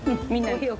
みんなに。